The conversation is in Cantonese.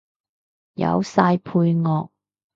有晒配樂